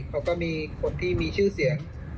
เขาก็มีคนที่มีชื่อเสียง